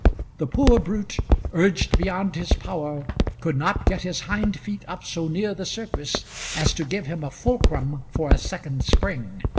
The poor brute, urged beyond his power, could not get his hind feet up so near the surface as to give him a fulcrum for a second spring.